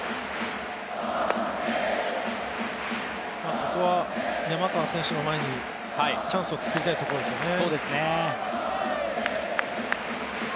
ここは山川選手の前にチャンスを作りたいところですよね。